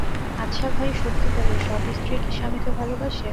আচ্ছা ভাই, সত্যি বলো সব স্ত্রীই কি স্বামীকে ভালোবাসে?